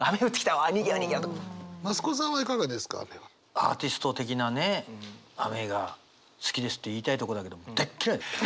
アーティスト的なね「雨が好きです」って言いたいとこだけども大っ嫌い！